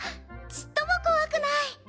ちっとも怖くない。